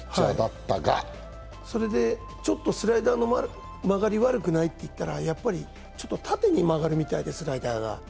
それでちょっとスライダーの曲がり、悪くない？って言ったらやっぱりちょっと縦に曲がるみたいで、スライダーが。